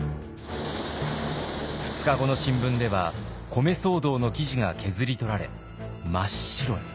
２日後の新聞では米騒動の記事が削り取られ真っ白に。